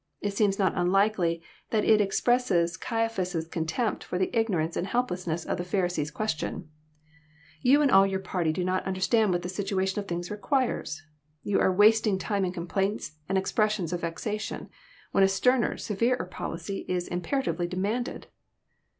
It seems not unlikely that it ex presses Caiaphas* contempt for the ignorance and helplessness of the Pharisees' question. Ton and all your party do not understand what the situation of things requires. You are wasting time in complaints and expressions of vexation, when a sterner, severer policy is Imperatively demanded."